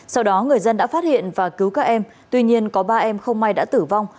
sau đó người dân đã phát hiện và cứu các em tuy nhiên có ba em không may đã tử vong